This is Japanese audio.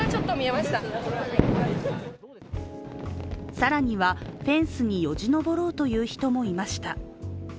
更にはフェンスによじ登ろうとする人もいまいした。